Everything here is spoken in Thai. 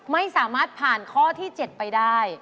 ไม่สามารถผ่านข้อที่๗ไปได้